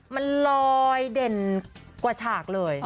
มันลอยเด่นกว่าฉากเลย